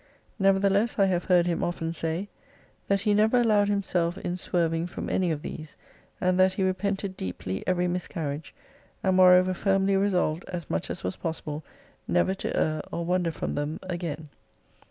Nevertheless I have heard him often say, That he never allowed him self in swerving from any ofthese, and that he repented deeply every miscarriage : and moreover firmly resolved as much as was possible never to err or wander from them again.